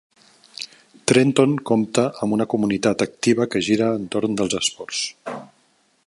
Trenton compta amb una comunitat activa que gira entorn dels esports.